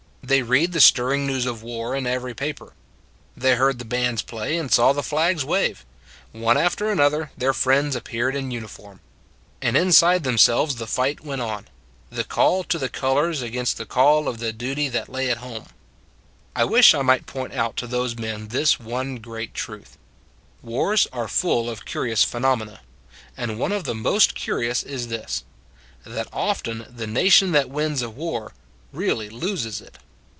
They read the stirring news of war in every paper : they heard the bands play and saw the flags wave : one after another, their friends appeared in uniform. And inside themselves the fight went on ^ the call to the colors against the call of the duty that lay at home. 1 64 It s a Good Old World I wish I might point out to those men this one great truth : Wars are full of curious phenomena: and one of the most curious is this that often the nation that wins a war really loses it.